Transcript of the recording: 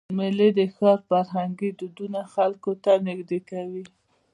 میلې د ښار فرهنګي دودونه خلکو ته نږدې کوي.